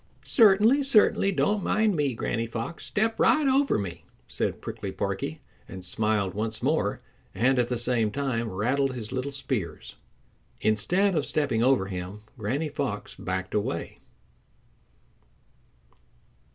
"Certainly, certainly. Don't mind me, Granny Fox. Step right over me," said Prickly Porky, and smiled once more, and at the same time rattled his little spears. Instead of stepping over him, Granny Fox backed away.